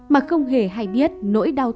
mà không hề hay biết nỗi đau